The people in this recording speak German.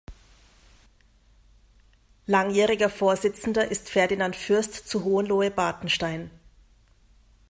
Langjähriger Vorsitzender ist Ferdinand Fürst zu Hohenlohe-Bartenstein.